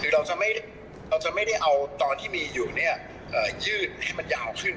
คือเราจะไม่ได้เอาตอนที่มีอยู่ยืดให้มันยาวขึ้น